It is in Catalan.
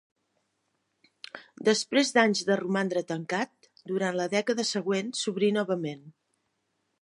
Després d'anys de romandre tancat, durant la dècada següent s'obrí novament.